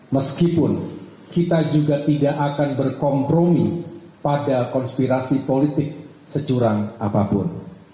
meskipun kita juga tidak akan berkompromi pada konspirasi politik securang apapun